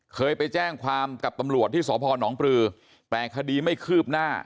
เคยไปแจ้งความกับตำรวจที่สพนปลือแต่คดีไม่คืบหน้า